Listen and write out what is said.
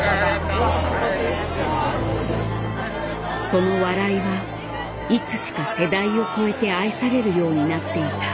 その笑いはいつしか世代を超えて愛されるようになっていた。